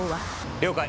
了解。